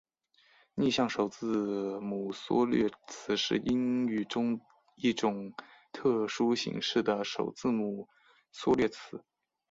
逆向首字母缩略词是英语中一种特殊形式的首字母缩略词。